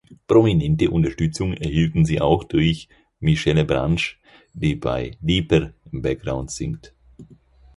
Prominente Unterstützung erhielten sie auch durch Michelle Branch, die bei "Deeper" im Background singt.